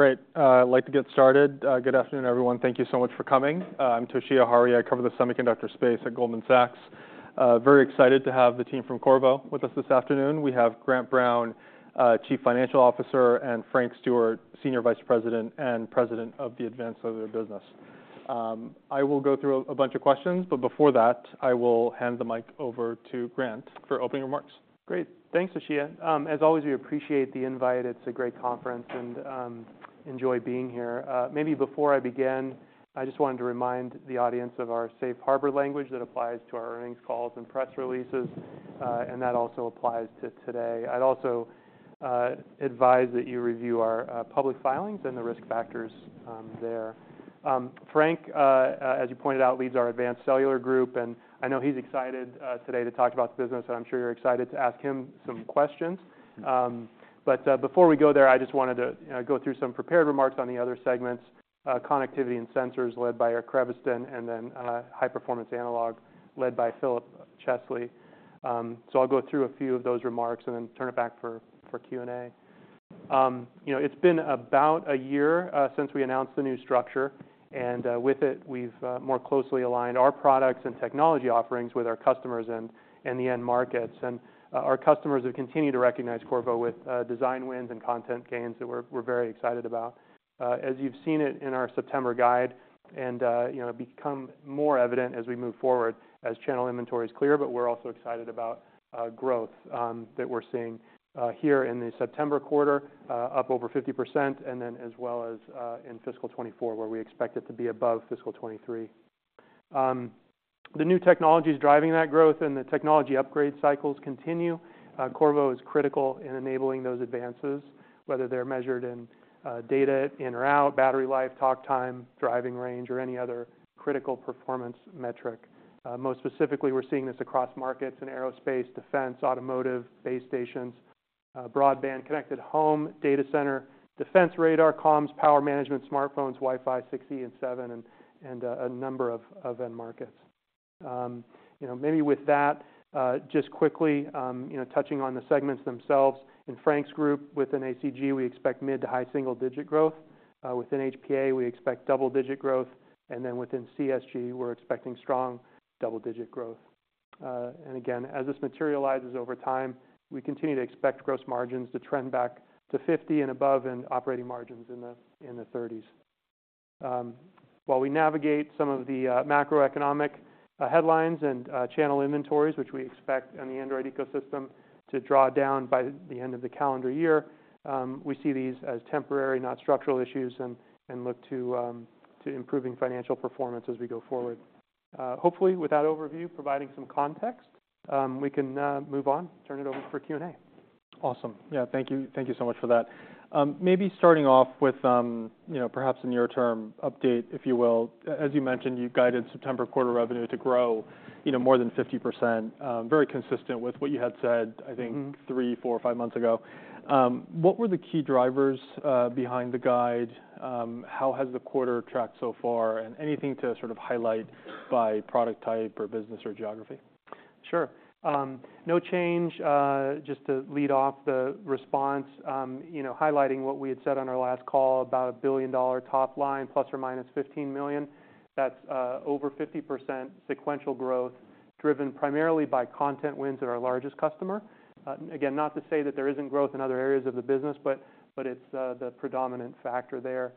Great. I'd like to get started. Good afternoon, everyone. Thank you so much for coming. I'm Toshiya Hari, I cover the semiconductor space at Goldman Sachs. Very excited to have the team from Qorvo with us this afternoon. We have Grant Brown, Chief Financial Officer, and Frank Stewart, Senior Vice President and President of the Advanced Cellular Business. I will go through a bunch of questions, but before that, I will hand the mic over to Grant for opening remarks. Great. Thanks, Toshiya. As always, we appreciate the invite. It's a great conference, and enjoy being here. Maybe before I begin, I just wanted to remind the audience of our safe harbor language that applies to our earnings calls and press releases, and that also applies to today. I'd also advise that you review our public filings and the risk factors there. Frank, as you pointed out, leads our Advanced Cellular Group, and I know he's excited today to talk about the business, and I'm sure you're excited to ask him some questions. But before we go there, I just wanted to, you know, go through some prepared remarks on the other segments, Connectivity and Sensors, led by Eric Creviston, and then High Performance Analog, led by Philip Chesley. So I'll go through a few of those remarks and then turn it back for Q&A. You know, it's been about a year since we announced the new structure, and with it, we've more closely aligned our products and technology offerings with our customers and the end markets. And our customers have continued to recognize Qorvo with design wins and content gains that we're very excited about. As you've seen it in our September guide and you know, become more evident as we move forward as channel inventories clear, but we're also excited about growth that we're seeing here in the September quarter, up over 50%, and then as well as in fiscal 2024, where we expect it to be above fiscal 2023. The new technology is driving that growth, and the technology upgrade cycles continue. Qorvo is critical in enabling those advances, whether they're measured in data in or out, battery life, talk time, driving range, or any other critical performance metric. Most specifically, we're seeing this across markets in aerospace, defense, automotive, base stations, broadband, connected home, data center, defense radar, comms, power management, smartphones, Wi-Fi 6 and 7, and a number of end markets. You know, maybe with that, just quickly, you know, touching on the segments themselves. In Frank's group, within ACG, we expect mid to high single-digit growth. Within HPA, we expect double-digit growth, and then within CSG, we're expecting strong double-digit growth. Again, as this materializes over time, we continue to expect gross margins to trend back to 50 and above, and operating margins in the 30s. While we navigate some of the macroeconomic headlines and channel inventories, which we expect on the Android ecosystem to draw down by the end of the calendar year, we see these as temporary, not structural issues, and look to improving financial performance as we go forward. Hopefully, with that overview, providing some context, we can move on, turn it over for Q&A. Awesome. Yeah, thank you. Thank you so much for that. Maybe starting off with, you know, perhaps a near-term update, if you will. As you mentioned, you've guided September quarter revenue to grow, you know, more than 50%, very consistent with what you had said, I think- Mm-hmm... three, four, or five months ago. What were the key drivers behind the guide? How has the quarter tracked so far? Anything to sort of highlight by product type or business or geography? Sure. No change, just to lead off the response, you know, highlighting what we had said on our last call about a billion-dollar top line, ±$15 million. That's over 50% sequential growth, driven primarily by content wins at our largest customer. Again, not to say that there isn't growth in other areas of the business, but, but it's the predominant factor there.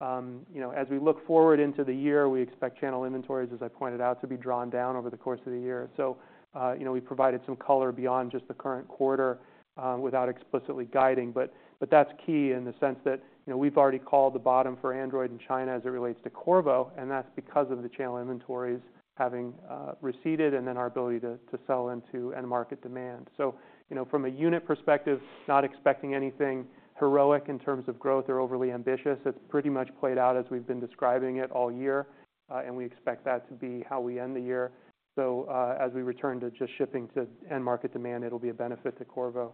You know, as we look forward into the year, we expect channel inventories, as I pointed out, to be drawn down over the course of the year. So, you know, we provided some color beyond just the current quarter, without explicitly guiding. But that's key in the sense that, you know, we've already called the bottom for Android in China as it relates to Qorvo, and that's because of the channel inventories having receded and then our ability to sell into end market demand. So, you know, from a unit perspective, not expecting anything heroic in terms of growth or overly ambitious. It's pretty much played out as we've been describing it all year, and we expect that to be how we end the year. So, as we return to just shipping to end market demand, it'll be a benefit to Qorvo.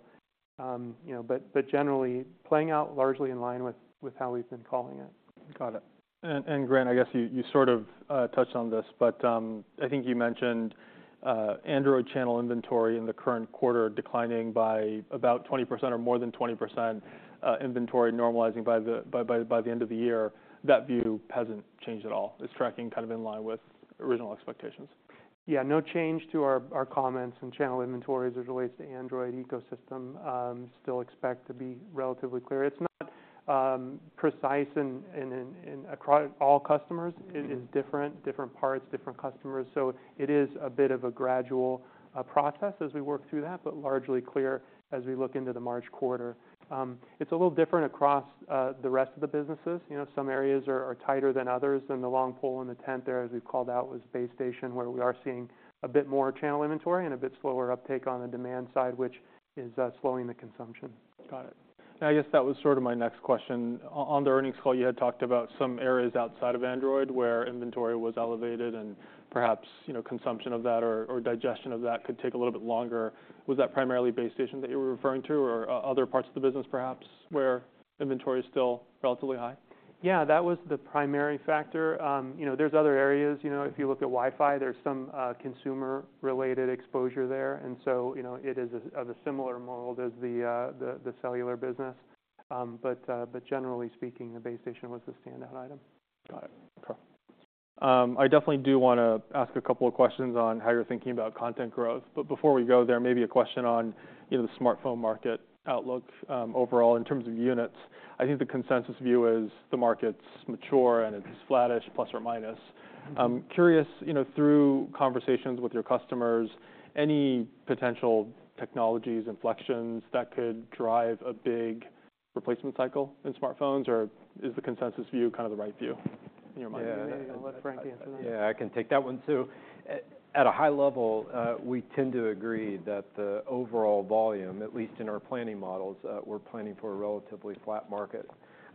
You know, but generally, playing out largely in line with how we've been calling it. Got it. Grant, I guess you sort of touched on this, but I think you mentioned Android channel inventory in the current quarter declining by about 20% or more than 20%, inventory normalizing by the end of the year. That view hasn't changed at all. It's tracking kind of in line with original expectations? Yeah, no change to our comments on channel inventories as it relates to Android ecosystem. Still expect to be relatively clear. It's not precise in and across all customers- Mm-hmm. It is different, different parts, different customers, so it is a bit of a gradual process as we work through that, but largely clear as we look into the March quarter. It's a little different across the rest of the businesses. You know, some areas are tighter than others, and the long pole in the tent there, as we've called out, was base station, where we are seeing a bit more channel inventory and a bit slower uptake on the demand side, which is slowing the consumption. Got it. I guess that was sort of my next question. On the earnings call, you had talked about some areas outside of Android, where inventory was elevated and perhaps, you know, consumption of that or, or digestion of that could take a little bit longer. Was that primarily base station that you were referring to, or other parts of the business, perhaps, where inventory is still relatively high? Yeah, that was the primary factor. You know, there's other areas, you know, if you look at Wi-Fi, there's some consumer-related exposure there, and so, you know, it is of a similar mold as the cellular business. But generally speaking, the base station was the standout item. Got it. Okay. I definitely do wanna ask a couple of questions on how you're thinking about content growth. But before we go there, maybe a question on, you know, the smartphone market outlook. Overall, in terms of units, I think the consensus view is the market's mature and it's flattish, plus or minus. Curious, you know, through conversations with your customers, any potential technologies, inflections that could drive a big replacement cycle in smartphones? Or is the consensus view kind of the right view, in your mind? Yeah. I'll let Frank answer that. Yeah, I can take that one, too. At a high level, we tend to agree that the overall volume, at least in our planning models, we're planning for a relatively flat market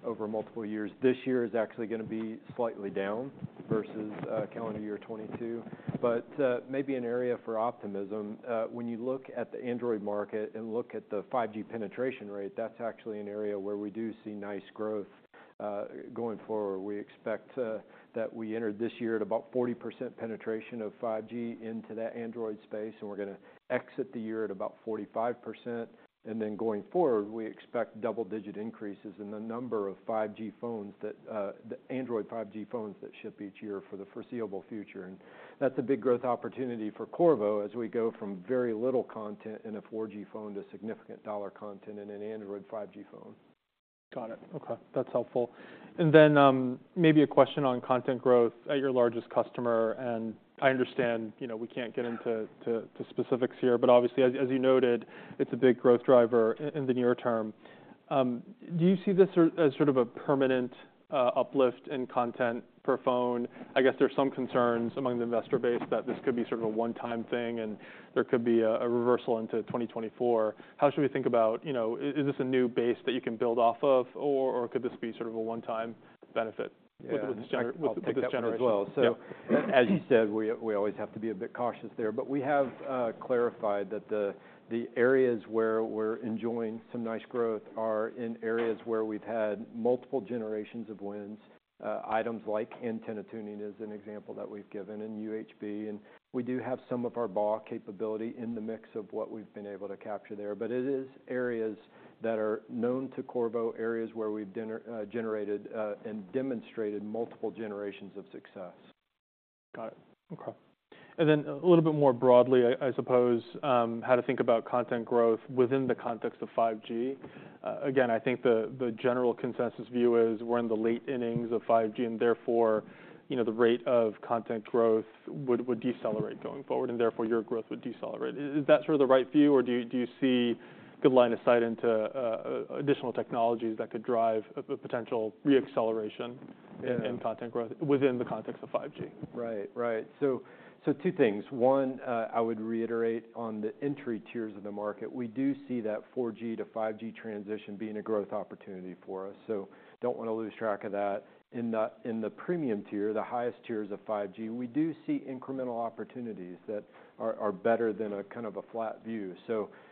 over multiple years. This year is actually gonna be slightly down versus calendar year 2022. But maybe an area for optimism, when you look at the Android market and look at the 5G penetration rate, that's actually an area where we do see nice growth going forward. We expect that we entered this year at about 40% penetration of 5G into that Android space, and we're gonna exit the year at about 45%. And then, going forward, we expect double-digit increases in the number of 5G phones that the Android 5G phones that ship each year for the foreseeable future. That's a big growth opportunity for Qorvo as we go from very little content in a 4G phone to significant dollar content in an Android 5G phone. Got it. Okay, that's helpful. And then, maybe a question on content growth at your largest customer, and I understand, you know, we can't get into to specifics here, but obviously, as you noted, it's a big growth driver in the near term. Do you see this as sort of a permanent uplift in content per phone? I guess there's some concerns among the investor base that this could be sort of a one-time thing, and there could be a reversal into 2024. How should we think about, you know, is this a new base that you can build off of, or could this be sort of a one-time benefit? Yeah. with this generation? I'll take that as well. Yep. So, as you said, we always have to be a bit cautious there. But we have clarified that the areas where we're enjoying some nice growth are in areas where we've had multiple generations of wins. Items like antenna tuning is an example that we've given, and UHB, and we do have some of our BAW capability in the mix of what we've been able to capture there. But it is areas that are known to Qorvo, areas where we've generated and demonstrated multiple generations of success. Got it. Okay. And then a little bit more broadly, I suppose, how to think about content growth within the context of 5G. Again, I think the general consensus view is we're in the late innings of 5G, and therefore, you know, the rate of content growth would decelerate going forward, and therefore, your growth would decelerate. Is that sort of the right view, or do you see good line of sight into additional technologies that could drive a potential re-acceleration- Yeah... in content growth within the context of 5G? Right. Right. So two things: One, I would reiterate on the entry tiers of the market, we do see that 4G to 5G transition being a growth opportunity for us, so don't wanna lose track of that. In the premium tier, the highest tiers of 5G, we do see incremental opportunities that are better than a kind of a flat view.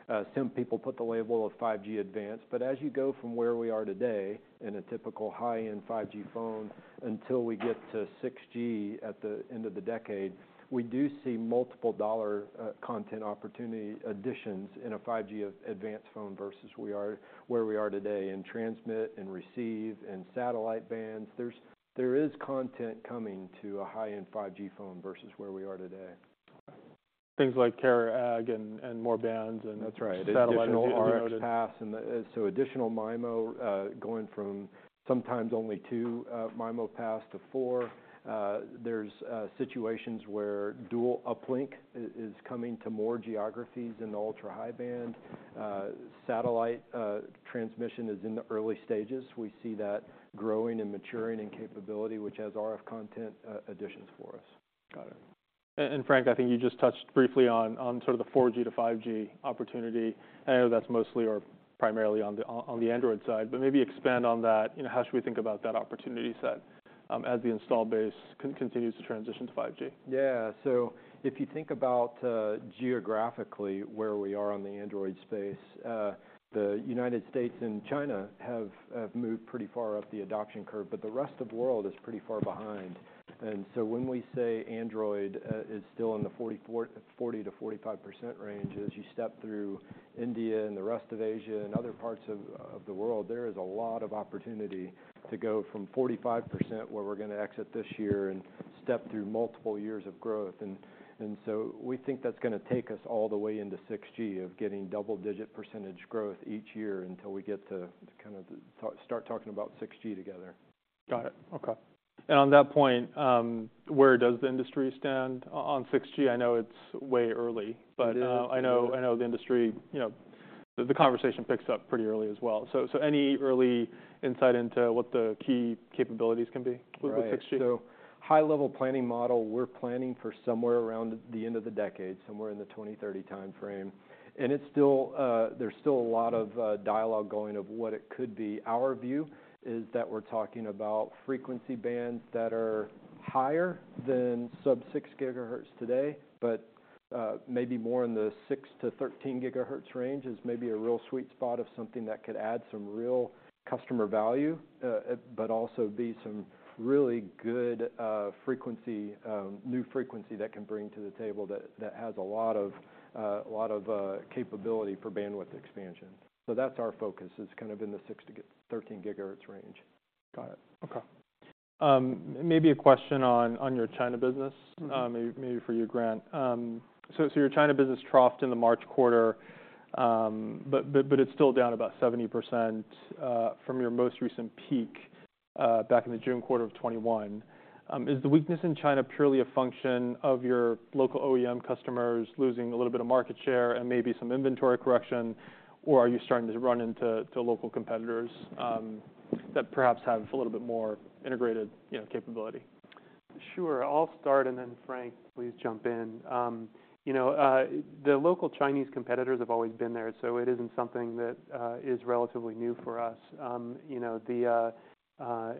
So, some people put the label of 5G Advanced, but as you go from where we are today, in a typical high-end 5G phone, until we get to 6G at the end of the decade, we do see multiple dollar content opportunity additions in a 5G Advanced phone versus where we are today, in transmit, and receive, and satellite bands. There is content coming to a high-end 5G phone versus where we are today. Things like carrier agg and more bands and- That's right... satellite are noted. Additional RF paths, so additional MIMO, going from sometimes only two MIMO paths to four. There's situations where dual uplink is coming to more geographies in the ultra-high band. Satellite transmission is in the early stages. We see that growing and maturing in capability, which has RF content additions for us. Got it. And Frank, I think you just touched briefly on, on sort of the 4G-5G opportunity, and I know that's mostly or primarily on the, on the Android side, but maybe expand on that. How should we think about that opportunity set, as the install base continues to transition to 5G? Yeah. So if you think about geographically, where we are on the Android space, the United States and China have moved pretty far up the adoption curve, but the rest of the world is pretty far behind. So when we say Android is still in the 40%-45% range, as you step through India and the rest of Asia and other parts of the world, there is a lot of opportunity to go from 45%, where we're gonna exit this year, and step through multiple years of growth. So we think that's gonna take us all the way into 6G, of getting double-digit percentage growth each year until we get to kind of start talking about 6G together. Got it. Okay. On that point, where does the industry stand on 6G? I know it's way early- It is... but, I know, I know the industry, you know, the conversation picks up pretty early as well. So, so any early insight into what the key capabilities can be- Right... with the 6G? So high-level planning model, we're planning for somewhere around the end of the decade, somewhere in the 2030 timeframe, and it's still, there's still a lot of dialogue going on what it could be. Our view is that we're talking about frequency bands that are higher than sub-6 gigahertz today, but maybe more in the 6-13 gigahertz range is maybe a real sweet spot of something that could add some real customer value, but also be some really good frequency, new frequency that can bring to the table that has a lot of capability for bandwidth expansion. So that's our focus, is kind of in the 6-13 gigahertz range. Got it. Okay. Maybe a question on, on your China business- Mm-hmm. Maybe for you, Grant. So your China business troughed in the March quarter, but it's still down about 70% from your most recent peak back in the June quarter of 2021. Is the weakness in China purely a function of your local OEM customers losing a little bit of market share and maybe some inventory correction? Or are you starting to run into local competitors that perhaps have a little bit more integrated, you know, capability? Sure. I'll start, and then Frank, please jump in. You know, the local Chinese competitors have always been there, so it isn't something that is relatively new for us. You know, the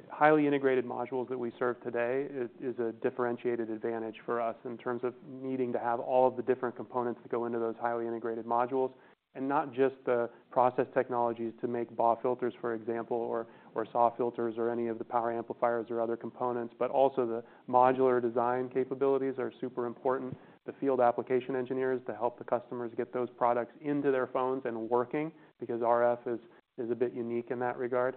highly integrated modules that we serve today is a differentiated advantage for us in terms of needing to have all of the different components that go into those highly integrated modules, and not just the process technologies to make BAW filters, for example, or SAW filters, or any of the power amplifiers or other components, but also the modular design capabilities are super important. The field application engineers to help the customers get those products into their phones and working, because RF is a bit unique in that regard.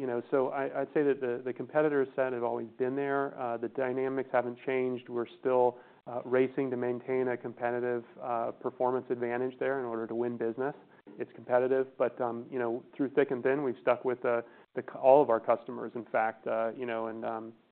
You know, so I'd say that the competitor set have always been there. The dynamics haven't changed. We're still racing to maintain a competitive performance advantage there in order to win business. It's competitive, but you know, through thick and thin, we've stuck with all of our customers, in fact. You know, and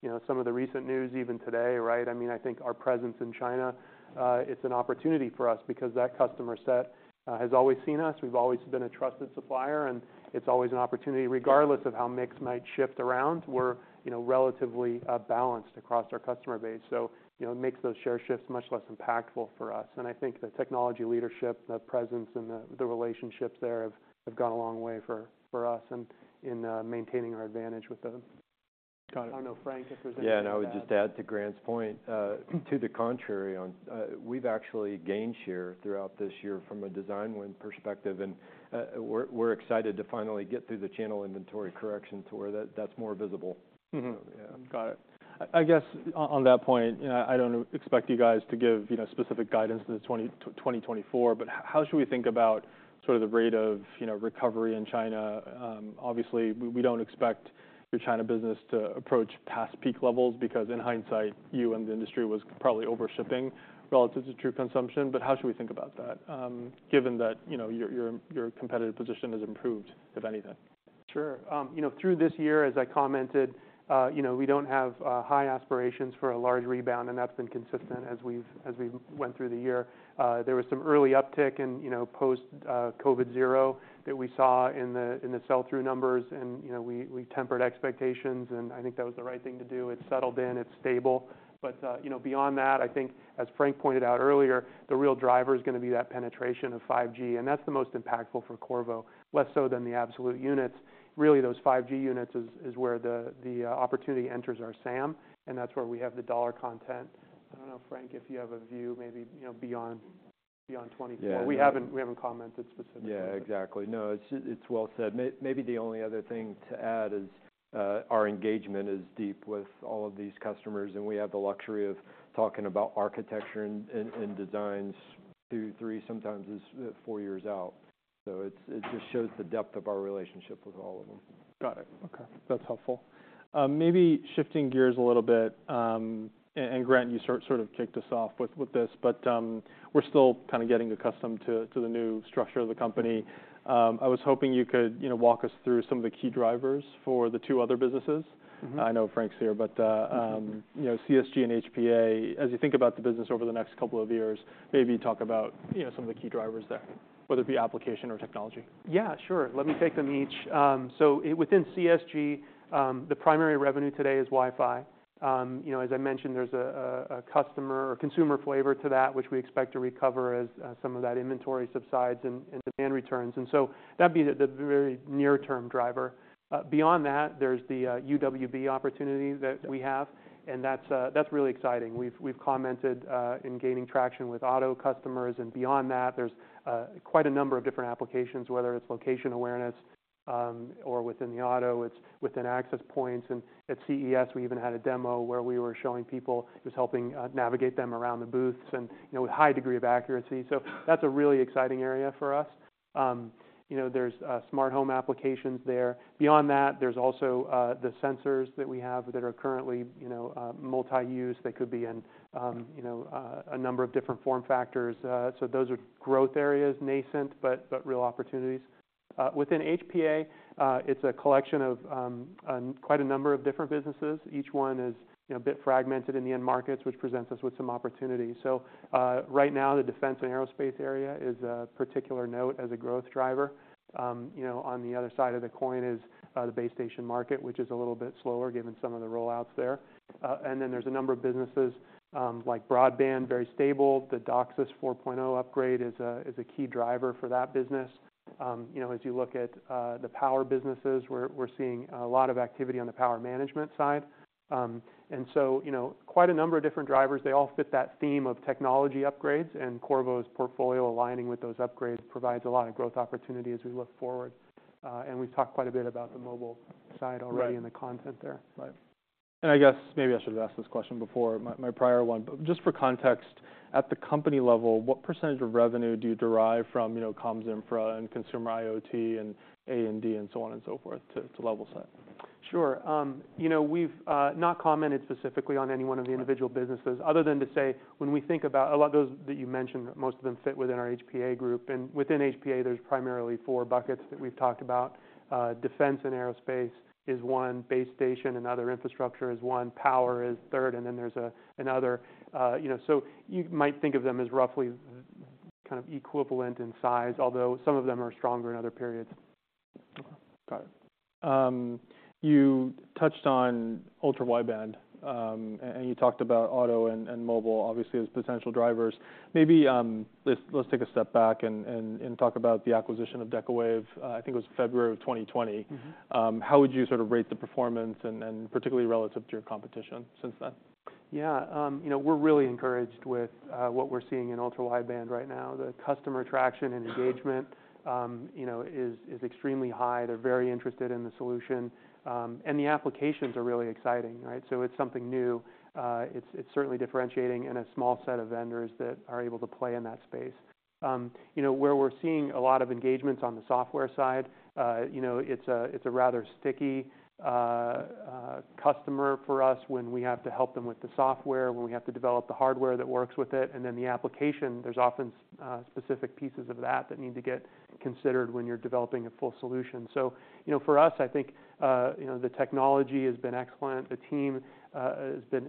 you know, some of the recent news, even today, right? I mean, I think our presence in China, it's an opportunity for us because that customer set has always seen us. We've always been a trusted supplier, and it's always an opportunity, regardless of how mix might shift around. We're, you know, relatively balanced across our customer base, so, you know, it makes those share shifts much less impactful for us. And I think the technology leadership, the presence, and the relationships there have gone a long way for us in maintaining our advantage with them. Got it. I don't know, Frank, if there's anything to add. Yeah, and I would just add to Grant's point, to the contrary on, we've actually gained share throughout this year from a design win perspective, and we're excited to finally get through the channel inventory correction to where that's more visible. Mm-hmm. Yeah. Got it. I guess on that point, you know, I don't expect you guys to give, you know, specific guidance to the 2024, but how should we think about sort of the rate of, you know, recovery in China? Obviously, we don't expect your China business to approach past peak levels because, in hindsight, you and the industry was probably over-shipping relative to true consumption. But how should we think about that, given that, you know, your competitive position has improved, if anything? Sure. You know, through this year, as I commented, you know, we don't have high aspirations for a large rebound, and that's been consistent as we went through the year. There was some early uptick in, you know, post COVID zero that we saw in the, in the sell-through numbers and, you know, we tempered expectations, and I think that was the right thing to do. It's settled in, it's stable. But, you know, beyond that, I think, as Frank pointed out earlier, the real driver is gonna be that penetration of 5G, and that's the most impactful for Qorvo, less so than the absolute units. Really, those 5G units is where the opportunity enters our SAM, and that's where we have the dollar content. I don't know, Frank, if you have a view, maybe, you know, beyond 2024. Yeah. We haven't commented specifically. Yeah, exactly. No, it's, it's well said. Maybe the only other thing to add is our engagement is deep with all of these customers, and we have the luxury of talking about architecture and designs two, three, sometimes as four years out. So it's, it just shows the depth of our relationship with all of them. Got it. Okay, that's helpful. Maybe shifting gears a little bit, and Grant, you sort of kicked us off with this, but we're still kind of getting accustomed to the new structure of the company. I was hoping you could, you know, walk us through some of the key drivers for the two other businesses. Mm-hmm. I know Frank's here, but, you know, CSG and HPA, as you think about the business over the next couple of years, maybe talk about, you know, some of the key drivers there, whether it be application or technology. Yeah, sure. Let me take them each. So within CSG, the primary revenue today is Wi-Fi. You know, as I mentioned, there's a customer or consumer flavor to that, which we expect to recover as some of that inventory subsides and demand returns. And so that'd be the very near-term driver. Beyond that, there's the UWB opportunity that we have, and that's really exciting. We've commented in gaining traction with auto customers, and beyond that, there's quite a number of different applications, whether it's location awareness, or within the auto, it's within access points. And at CES, we even had a demo where we were showing people, it was helping navigate them around the booths and, you know, with high degree of accuracy. So that's a really exciting area for us. You know, there's smart home applications there. Beyond that, there's also the sensors that we have that are currently, you know, multi-use, that could be in a number of different form factors. So those are growth areas, nascent, but real opportunities. Within HPA, it's a collection of quite a number of different businesses. Each one is, you know, a bit fragmented in the end markets, which presents us with some opportunities. So, right now, the defense and aerospace area is a particular note as a growth driver. You know, on the other side of the coin is the base station market, which is a little bit slower, given some of the rollouts there. And then there's a number of businesses, like broadband, very stable. The DOCSIS 4.0 upgrade is a key driver for that business. You know, as you look at the power businesses, we're seeing a lot of activity on the power management side. You know, quite a number of different drivers, they all fit that theme of technology upgrades, and Qorvo's portfolio aligning with those upgrades provides a lot of growth opportunity as we look forward. We've talked quite a bit about the mobile side already- Right... and the content there. Right. And I guess maybe I should have asked this question before my prior one, but just for context, at the company level, what percentage of revenue do you derive from, you know, comms infra and consumer IoT and A&D, and so on and so forth, to level set? Sure. You know, we've not commented specifically on any one of the individual businesses, other than to say, when we think about a lot of those that you mentioned, most of them fit within our HPA group, and within HPA, there's primarily four buckets that we've talked about. Defense and aerospace is one, base station and other infrastructure is one, power is third, and then there's another, you know. So you might think of them as roughly kind of equivalent in size, although some of them are stronger in other periods. Got it. You touched on ultra-wideband, and you talked about auto and mobile, obviously, as potential drivers. Maybe, let's take a step back and talk about the acquisition of Decawave. I think it was February of 2020. Mm-hmm. How would you sort of rate the performance and particularly relative to your competition since then? Yeah, you know, we're really encouraged with what we're seeing in Ultra-Wideband right now. The customer traction and engagement, you know, is extremely high. They're very interested in the solution, and the applications are really exciting, right? So it's something new. It's certainly differentiating in a small set of vendors that are able to play in that space. You know, where we're seeing a lot of engagements on the software side, you know, it's a rather sticky customer for us when we have to help them with the software, when we have to develop the hardware that works with it, and then the application, there's often specific pieces of that that need to get considered when you're developing a full solution. So, you know, for us, I think, you know, the technology has been excellent. The team has been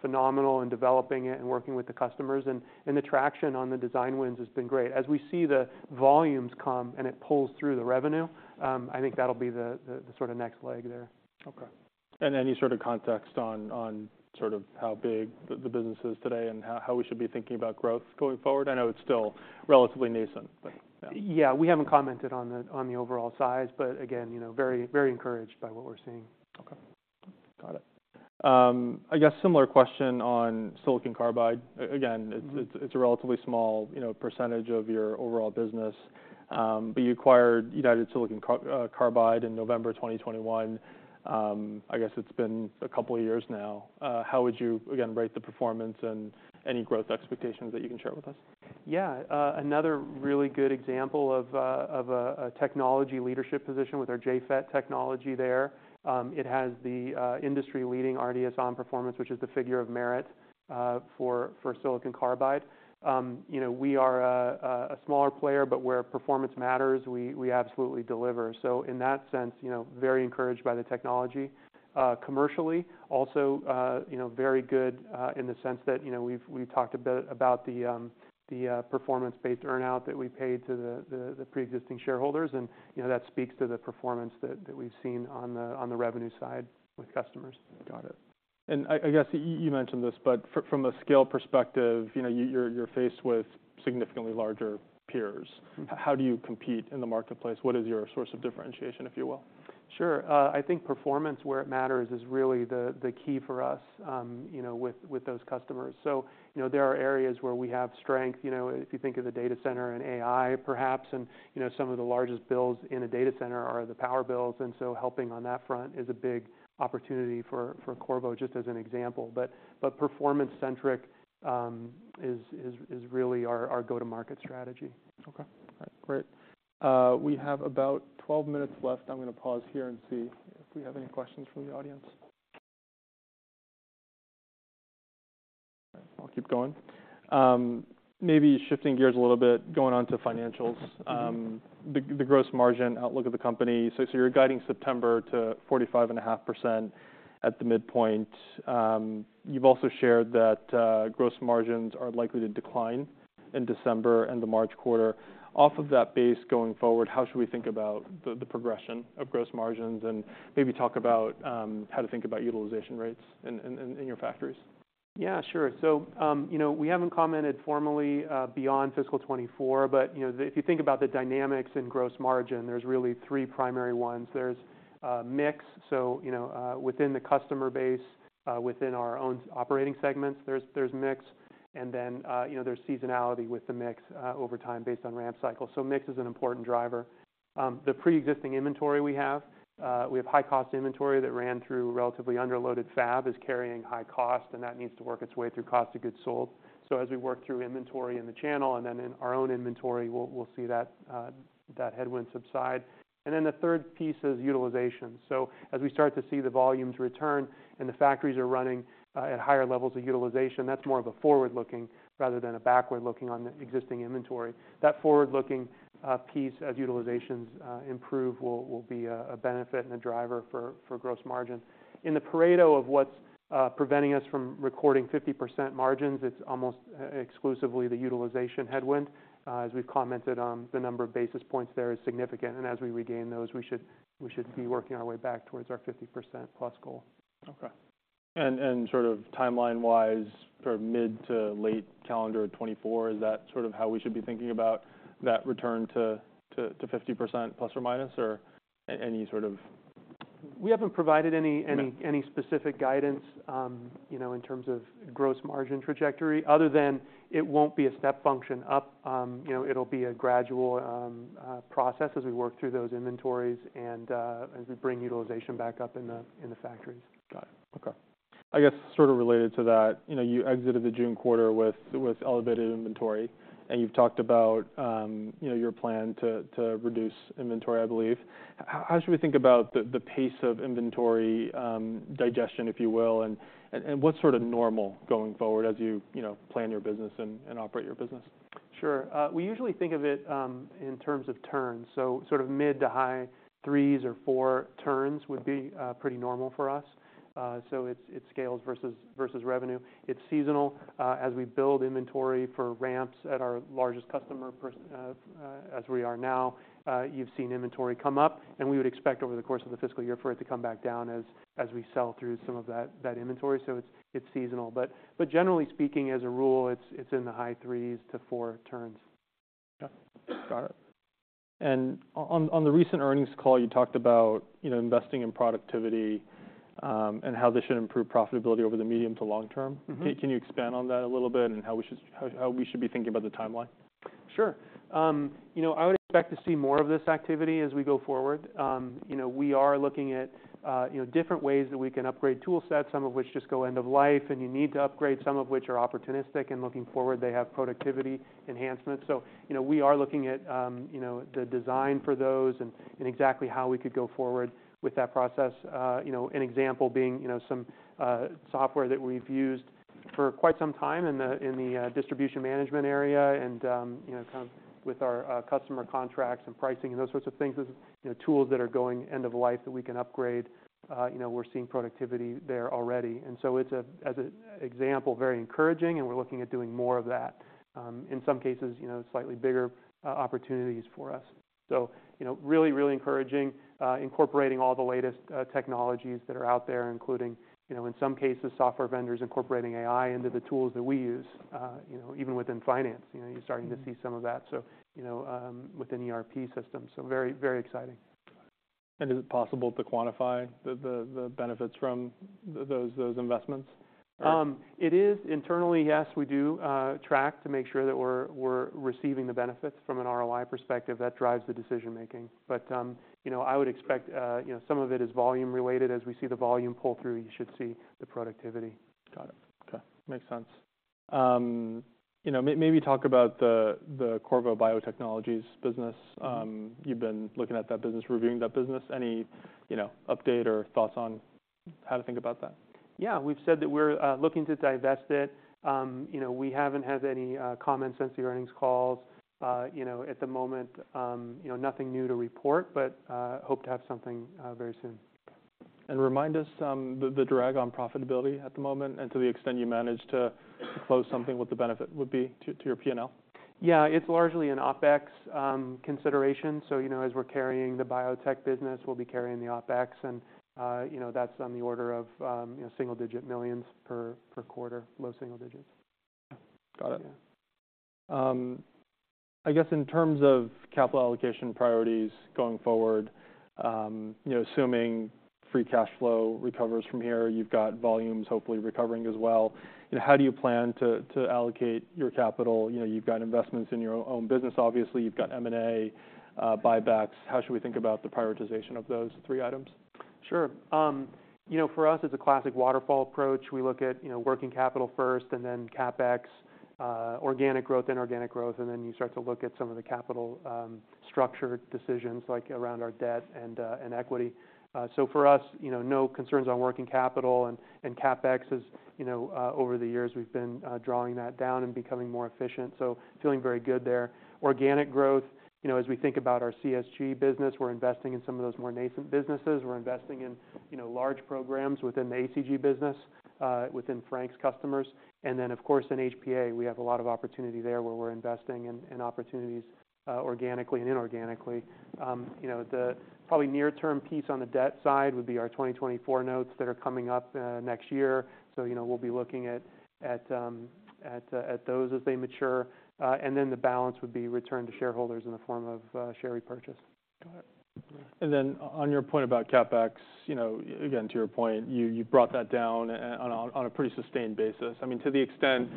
phenomenal in developing it and working with the customers, and the traction on the design wins has been great. As we see the volumes come and it pulls through the revenue, I think that'll be the sort of next leg there. Okay. And any sort of context on sort of how big the business is today and how we should be thinking about growth going forward? I know it's still relatively nascent, but yeah. Yeah, we haven't commented on the overall size, but again, you know, very, very encouraged by what we're seeing. Okay. Got it. I guess similar question on silicon carbide. Again- Mm-hmm... it's a relatively small, you know, percentage of your overall business, but you acquired United Silicon Carbide in November 2021. I guess it's been a couple of years now. How would you, again, rate the performance, and any growth expectations that you can share with us? Yeah, another really good example of a technology leadership position with our JFET technology there. It has the industry-leading RDS(on) performance, which is the figure of merit for silicon carbide. You know, we are a smaller player, but where performance matters, we absolutely deliver. So in that sense, you know, very encouraged by the technology. Commercially, also, you know, very good in the sense that, you know, we've talked a bit about the performance-based earn-out that we paid to the pre-existing shareholders, and you know, that speaks to the performance that we've seen on the revenue side with customers. Got it. And I guess you mentioned this, but from a scale perspective, you know, you're faced with significantly larger peers. Mm-hmm. How do you compete in the marketplace? What is your source of differentiation, if you will? Sure. I think performance, where it matters, is really the key for us, you know, with those customers. So, you know, there are areas where we have strength. You know, if you think of the data center and AI, perhaps, and some of the largest bills in a data center are the power bills, and so helping on that front is a big opportunity for Qorvo, just as an example. But performance-centric is really our go-to-market strategy. Okay. All right, great. We have about 12 minutes left. I'm gonna pause here and see if we have any questions from the audience. I'll keep going. Maybe shifting gears a little bit, going on to financials. Mm-hmm. The gross margin outlook of the company, so you're guiding September to 45.5% at the midpoint. You've also shared that gross margins are likely to decline in December and the March quarter. Off of that base, going forward, how should we think about the progression of gross margins, and maybe talk about how to think about utilization rates in your factories? Yeah, sure. So, you know, we haven't commented formally beyond fiscal 2024, but, you know, if you think about the dynamics in gross margin, there's really three primary ones. There's mix, so, you know, within the customer base, within our own operating segments, there's mix, and then, you know, there's seasonality with the mix over time based on ramp cycles, so mix is an important driver. The pre-existing inventory we have, we have high cost inventory that ran through relatively underloaded fab, is carrying high cost, and that needs to work its way through cost of goods sold. So as we work through inventory in the channel and then in our own inventory, we'll see that headwind subside. And then the third piece is utilization. As we start to see the volumes return and the factories are running at higher levels of utilization, that's more of a forward-looking rather than a backward-looking on the existing inventory. That forward-looking piece, as utilizations improve, will be a benefit and a driver for gross margin. In the Pareto of what's preventing us from recording 50% margins, it's almost exclusively the utilization headwind. As we've commented on the number of basis points there is significant, and as we regain those, we should be working our way back towards our 50%+ goal. Okay. And sort of timeline-wise, sort of mid- to late calendar 2024, is that sort of how we should be thinking about that return to 50% ±, or any sort of- We haven't provided any- Yeah... any specific guidance, you know, in terms of gross margin trajectory, other than it won't be a step function up. You know, it'll be a gradual process as we work through those inventories and as we bring utilization back up in the factories. Got it. Okay. I guess sort of related to that, you know, you exited the June quarter with elevated inventory, and you've talked about, you know, your plan to reduce inventory, I believe. How should we think about the pace of inventory digestion, if you will, and what's sort of normal going forward as you, you know, plan your business and operate your business? Sure. We usually think of it in terms of turns, so sort of mid- to high threes or four turns would be pretty normal for us. So it's, it scales versus revenue. It's seasonal. As we build inventory for ramps at our largest customer per, as we are now, you've seen inventory come up, and we would expect over the course of the fiscal year for it to come back down as we sell through some of that inventory. So it's seasonal. But generally speaking, as a rule, it's in the high threes to four turns. Yeah. Got it. On the recent earnings call, you talked about, you know, investing in productivity, and how this should improve profitability over the medium to long term. Mm-hmm. Can you expand on that a little bit, and how we should be thinking about the timeline? Sure. You know, I would expect to see more of this activity as we go forward. You know, we are looking at, you know, different ways that we can upgrade tool sets, some of which just go end of life, and you need to upgrade, some of which are opportunistic and looking forward, they have productivity enhancements. So, you know, we are looking at, you know, the design for those and exactly how we could go forward with that process. You know, an example being, you know, some software that we've used for quite some time in the distribution management area and, you know, kind of with our customer contracts and pricing and those sorts of things, you know, tools that are going end of life that we can upgrade. You know, we're seeing productivity there already. And so it's as an example, very encouraging, and we're looking at doing more of that. In some cases, you know, slightly bigger opportunities for us. So, you know, really, really encouraging, incorporating all the latest technologies that are out there, including, you know, in some cases, software vendors incorporating AI into the tools that we use. You know, even within finance, you know, you're starting to see some of that. So, you know, within ERP systems, so very, very exciting. Is it possible to quantify the benefits from those investments? It is internally, yes, we do track to make sure that we're receiving the benefits from an ROI perspective. That drives the decision making. But, you know, I would expect, you know, some of it is volume related. As we see the volume pull through, you should see the productivity. Got it. Okay, makes sense. You know, maybe talk about the Qorvo Biotechnologies business. You've been looking at that business, reviewing that business. Any, you know, update or thoughts on how to think about that? Yeah, we've said that we're looking to divest it. You know, we haven't had any comments since the earnings calls. You know, at the moment, you know, nothing new to report, but hope to have something very soon. Remind us, the drag on profitability at the moment, and to the extent you manage to close something, what the benefit would be to your PNL? Yeah, it's largely an OpEx consideration. So, you know, as we're carrying the biotech business, we'll be carrying the OpEx, and, you know, that's on the order of, you know, $ single digit millions per quarter, low single digits. Got it. Yeah. I guess in terms of capital allocation priorities going forward, you know, assuming free cash flow recovers from here, you've got volumes hopefully recovering as well. You know, how do you plan to allocate your capital? You know, you've got investments in your own business. Obviously, you've got M&A, buybacks. How should we think about the prioritization of those three items? Sure. You know, for us, it's a classic waterfall approach. We look at, you know, working capital first and then CapEx, organic growth, inorganic growth, and then you start to look at some of the capital, structure decisions, like around our debt and equity. So for us, you know, no concerns on working capital and CapEx, as, you know, over the years, we've been drawing that down and becoming more efficient, so feeling very good there. Organic growth, you know, as we think about our CSG business, we're investing in some of those more nascent businesses. We're investing in, you know, large programs within the ACG business, within Frank's customers. And then, of course, in HPA, we have a lot of opportunity there, where we're investing in opportunities, organically and inorganically. You know, the probably near-term piece on the debt side would be our 2024 notes that are coming up next year. So, you know, we'll be looking at those as they mature, and then the balance would be returned to shareholders in the form of share repurchase. Got it. And then on your point about CapEx, you know, again, to your point, you brought that down on a pretty sustained basis. I mean, to the extent,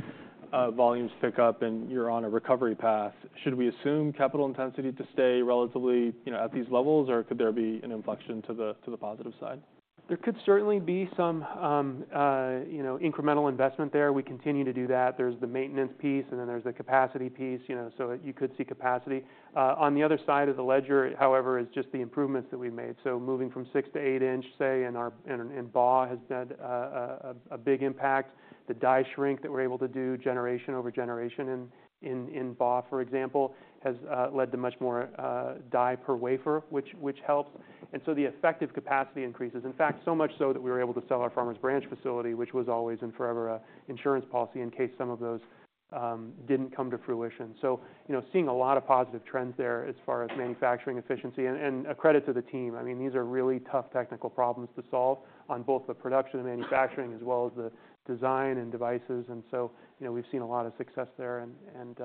volumes pick up and you're on a recovery path, should we assume capital intensity to stay relatively, you know, at these levels, or could there be an inflection to the positive side? There could certainly be some, you know, incremental investment there. We continue to do that. There's the maintenance piece, and then there's the capacity piece, you know, so you could see capacity. On the other side of the ledger, however, is just the improvements that we've made. So moving from 6- to 8-inch, say, in our BAW, has had a big impact. The die shrink that we're able to do generation over generation in BAW, for example, has led to much more die per wafer, which helps, and so the effective capacity increases. In fact, so much so that we were able to sell our Farmers Branch facility, which was always and forever an insurance policy, in case some of those didn't come to fruition. So, you know, seeing a lot of positive trends there as far as manufacturing efficiency and a credit to the team. I mean, these are really tough technical problems to solve on both the production and manufacturing, as well as the design and devices. And so, you know, we've seen a lot of success there. And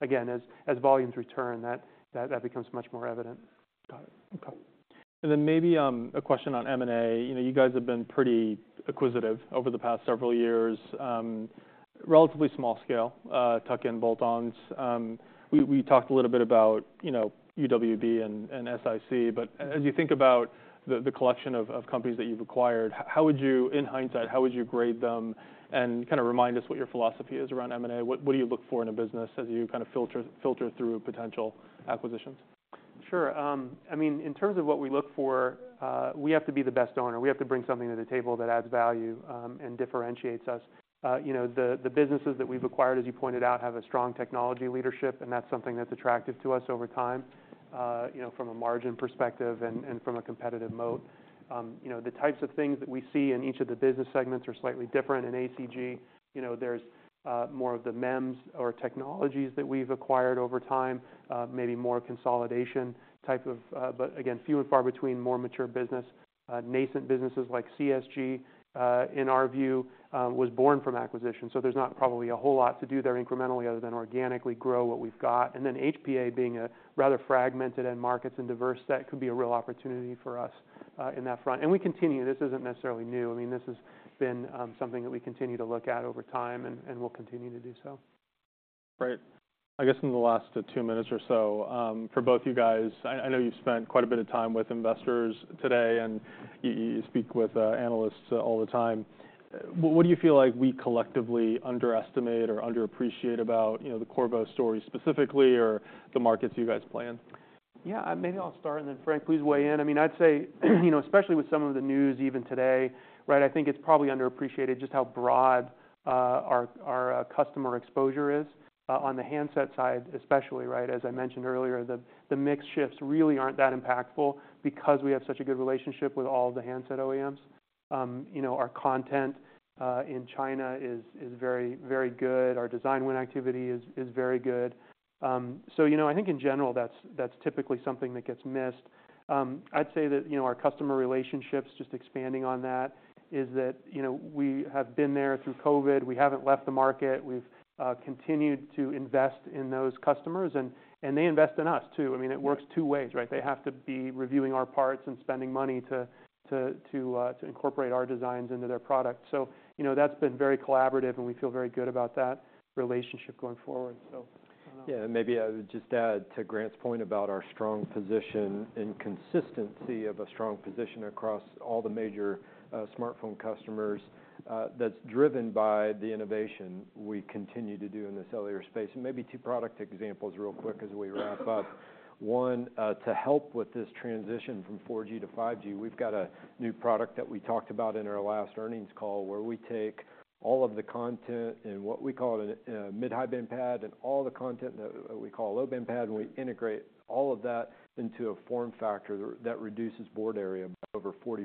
again, as volumes return, that becomes much more evident. Got it. Okay... And then maybe a question on M&A. You know, you guys have been pretty acquisitive over the past several years, relatively small scale, tuck-in, bolt-ons. We talked a little bit about, you know, UWB and SiC, but as you think about the collection of companies that you've acquired, how would you, in hindsight, how would you grade them? And kinda remind us what your philosophy is around M&A. What do you look for in a business as you kind of filter through potential acquisitions? Sure. I mean, in terms of what we look for, we have to be the best owner. We have to bring something to the table that adds value, and differentiates us. You know, the businesses that we've acquired, as you pointed out, have a strong technology leadership, and that's something that's attractive to us over time, you know, from a margin perspective and from a competitive moat. You know, the types of things that we see in each of the business segments are slightly different. In ACG, you know, there's more of the MEMS or technologies that we've acquired over time, maybe more consolidation type of... But again, few and far between more mature business. Nascent businesses, like CSG, in our view, was born from acquisition, so there's not probably a whole lot to do there incrementally other than organically grow what we've got. And then HPA being a rather fragmented end markets and diverse, that could be a real opportunity for us, in that front. And we continue, this isn't necessarily new. I mean, this has been, something that we continue to look at over time and, and we'll continue to do so. Great. I guess in the last two minutes or so, for both you guys, I know you've spent quite a bit of time with investors today, and you speak with analysts all the time. What do you feel like we collectively underestimate or underappreciate about, you know, the Qorvo story specifically or the markets you guys play in? Yeah, maybe I'll start, and then Frank, please weigh in. I mean, I'd say, you know, especially with some of the news even today, right, I think it's probably underappreciated just how broad our customer exposure is on the handset side, especially, right? As I mentioned earlier, the mix shifts really aren't that impactful because we have such a good relationship with all the handset OEMs. You know, our content in China is very, very good. Our design win activity is very good. So, you know, I think in general, that's typically something that gets missed. I'd say that, you know, our customer relationships, just expanding on that, is that, you know, we have been there through COVID. We haven't left the market. We've continued to invest in those customers, and they invest in us, too. I mean, it works two ways, right? They have to be reviewing our parts and spending money to incorporate our designs into their product. So, you know, that's been very collaborative, and we feel very good about that relationship going forward, so I don't know. Yeah, maybe I would just add to Grant's point about our strong position and consistency of a strong position across all the major smartphone customers. That's driven by the innovation we continue to do in the cellular space. And maybe two product examples real quick as we wrap up. One, to help with this transition from 4G-5G, we've got a new product that we talked about in our last earnings call, where we take all of the content in what we call a mid-high band PAD, and all the content that we call a low-band PAD, and we integrate all of that into a form factor that reduces board area by over 40%,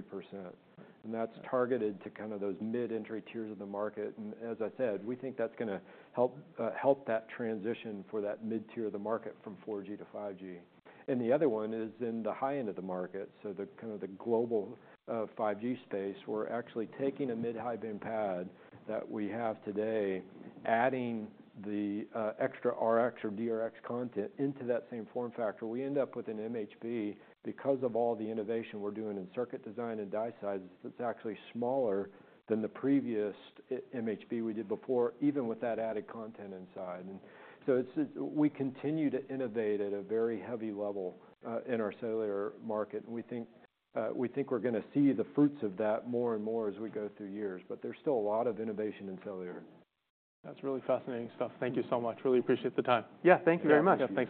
and that's targeted to kind of those mid-entry tiers of the market. As I said, we think that's gonna help that transition for that mid-tier of the market from 4G-5G. And the other one is in the high end of the market, so the kind of the global 5G space. We're actually taking a mid-high band pad that we have today, adding the extra RX or DRX content into that same form factor. We end up with an MHB, because of all the innovation we're doing in circuit design and die sizes, that's actually smaller than the previous iMHB we did before, even with that added content inside. And so it's, we continue to innovate at a very heavy level in our cellular market, and we think we think we're gonna see the fruits of that more and more as we go through years. But there's still a lot of innovation in cellular. That's really fascinating stuff. Thank you so much. Really appreciate the time. Yeah, thank you very much. Yeah. Thanks, guys.